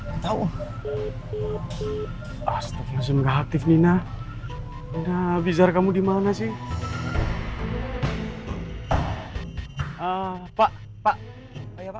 astagfirullahaladzim nina nabizar kamu dimana sih pak pak lihat anak kecil sama perempuan di rumah itu enggak pak emangnya anda siapa